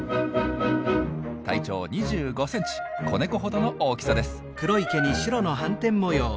体長２５センチ子猫ほどの大きさです。